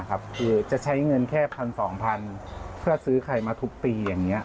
คือจะใช้เงินแค่๑๒๐๐๐เพื่อซื้อไข่มาทุกปีอย่างนี้